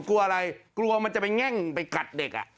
กลัวอะไรกลัวมันจะไปแง่งไปกัดเด็ก